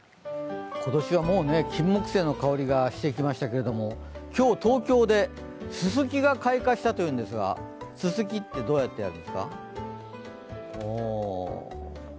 今年はもうキンモクセイの香りがしてきましたけど、今日、東京でススキが開花したというんですがススキってどうやってやるんですか？